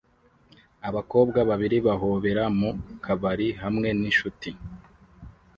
Abakobwa babiri bahobera mu kabari hamwe n'inshuti